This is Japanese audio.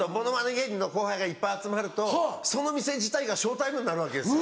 芸人の後輩がいっぱい集まるとその店自体がショータイムになるわけですよ。